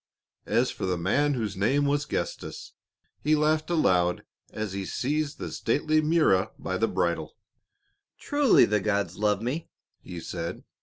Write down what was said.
As for the man whose name was Gestas, he laughed aloud as he seized the stately Mirah by the bridle. "Truly the gods love me," he said.